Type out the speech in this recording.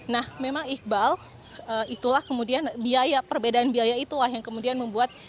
nah memang iqbal itulah kemudian biaya perbedaan biaya itulah yang kemudian membuat